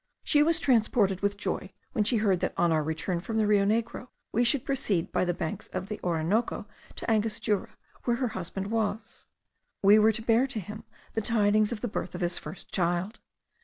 She was transported with joy when she heard that on our return from the Rio Negro we should proceed by the banks of the Orinoco to Angostura, where her husband was. We were to bear to him the tidings of the birth of his first child.